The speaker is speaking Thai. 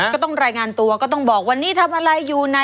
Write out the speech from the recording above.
ก็ต้องรายงานตัวก็ต้องบอกวันนี้ทำอะไรอยู่นะ